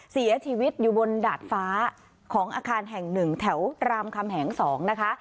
เสียชีวิตอยู่บนดาดฟ้าของอาคารแห่ง๑แถวรามคำแหง๒นะคะ